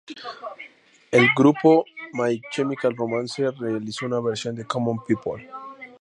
El grupo My Chemical Romance realizó una versión de "Common People".